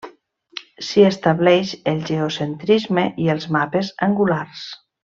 S'hi estableix el geocentrisme i els mapes angulars.